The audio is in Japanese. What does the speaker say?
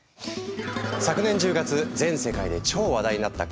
昨年１０月全世界で超話題になったこのニュース。